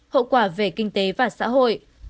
hậu quả về kinh tế và xã hội